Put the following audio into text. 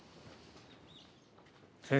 先生。